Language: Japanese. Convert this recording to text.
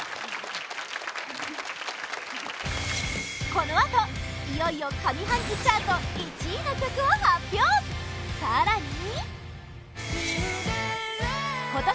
このあと、いよいよ上半期チャート１位の曲を発表更にＷｈａｔ？